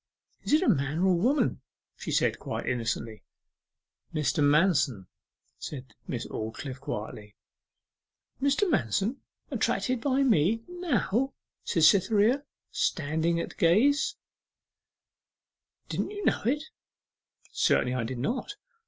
'Is it a man or woman?' she said, quite innocently. 'Mr. Manston,' said Miss Aldclyffe quietly. 'Mr. Manston attracted by me now?' said Cytherea, standing at gaze. 'Didn't you know it?' 'Certainly I did not.